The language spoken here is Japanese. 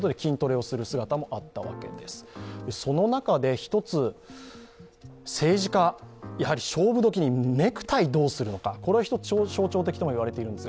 一つ、政治家、勝負時にネクタイをどうするのかこれは一つ象徴的とも言われています。